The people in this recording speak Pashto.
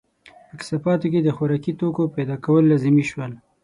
په کثافاتو کې د خوراکي توکو پیدا کول لازمي شول.